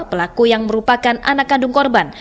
pelaku yang merupakan anak kandung korban